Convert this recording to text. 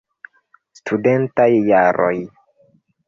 Studentaj jaroj.